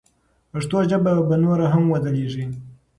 پښتو ژبه به نوره هم وځلیږي.